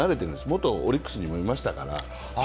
元オリックスにもいましたから。